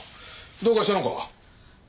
どうかしたのか？